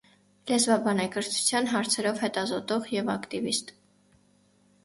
Լեզվաբան է, կրթության հարցերով հետազոտող և ակտիվիստ։